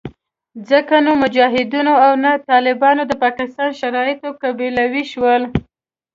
ځکه نه مجاهدینو او نه طالبانو د پاکستان شرایط قبلولې شول